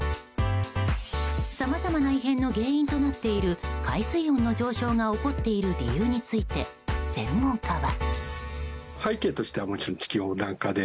さまざまな異変の原因となっている海水温の上昇が起こっている理由について専門家は。